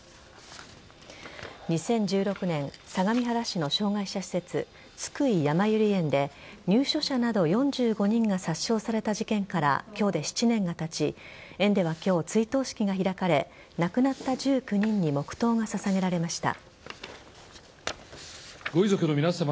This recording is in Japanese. ２０１６年相模原市の障害者施設津久井やまゆり園で入所者など４５人が殺傷された事件から今日で７年がたち園では今日、追悼式が開かれ亡くなった１９人に黙とうが捧げられました。